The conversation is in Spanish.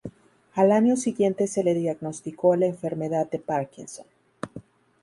Al año siguiente se le diagnosticó la enfermedad de Parkinson.